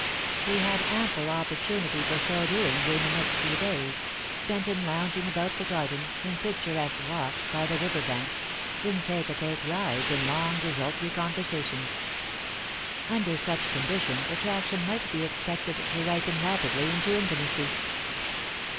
He had ample opportunity for so doing during the next BARRINGTON AND HONORIA. 167 few days, spent in lounging about the garden, in picturesque walks by the river banks, in iite d ieU rides and long desultory conversations. Under such conditions attraction might be expected to ripen rapidly into intimacy.